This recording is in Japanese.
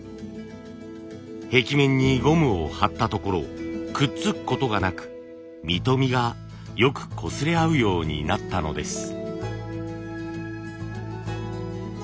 壁面にゴムをはったところくっつくことがなく実と実がよくこすれ合うようになったのです。